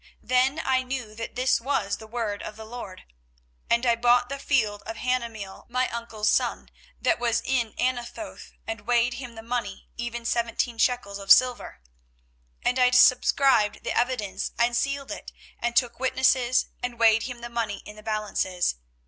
Then I knew that this was the word of the LORD. 24:032:009 And I bought the field of Hanameel my uncle's son, that was in Anathoth, and weighed him the money, even seventeen shekels of silver. 24:032:010 And I subscribed the evidence, and sealed it, and took witnesses, and weighed him the money in the balances.